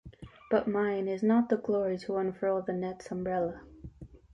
But mine is not the glory to unfurl the net's umbrella.